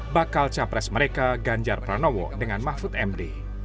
bakal capres mereka ganjar pranowo dengan mahfud md